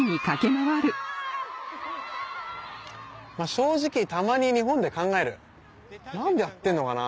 正直たまに日本で考える何でやってんのかな？